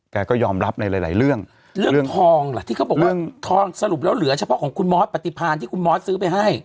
ก็ยอมรับในหลายหลายเรื่องเรื่องทองล่ะที่เขาบอกว่าทองสรุปแล้วเหลือเฉพาะของคุณมอสปฏิพาณที่คุณมอสซื้อไปให้